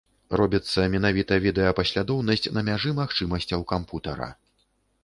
Робіцца менавіта відэапаслядоўнасць на мяжы магчымасцяў кампутара.